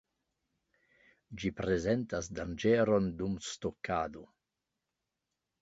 Ĝi prezentas danĝeron dum stokado.